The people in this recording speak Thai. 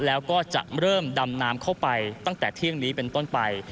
แล้วก็จะเริ่มดำน้ำเข้าไปตั้งแต่เที่ยงนี้เป็นต้นไป